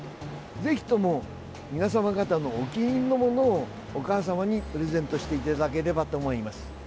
ぜひとも皆様方のお気に入りのものをお母様にプレゼントしていただければと思います。